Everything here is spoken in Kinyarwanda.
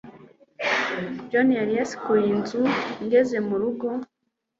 John yari yasukuye inzu ngeze mu rugo